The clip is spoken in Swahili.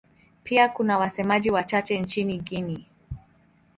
Pia kuna wasemaji wachache nchini Guinea.